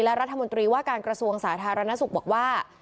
และรัฐมนตรีว่าการกระทรวงสาธารณสุขบอกว่า